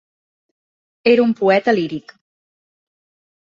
Era un poeta líric.